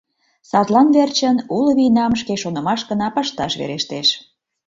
Садлан верчын уло вийнам шке шонымашкына пышташ верештеш.